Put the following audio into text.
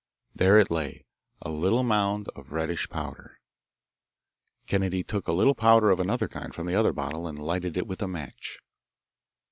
There it lay, a little mound of reddish powder. Kennedy took a little powder of another kind from the other bottle and lighted it with a match.